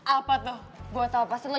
apa tuh gue tau pasti lo